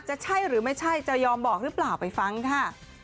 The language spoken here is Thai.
จะใช่หรือไม่ใช่จะยอมบอกหรือเปล่าไปฟังค่ะ